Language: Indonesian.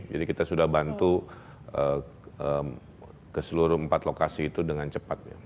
jadi kita sudah bantu ke seluruh empat lokasi itu dengan cepat